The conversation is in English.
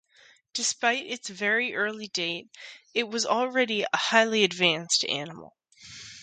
Despite its very early date, it was already a highly advanced animal.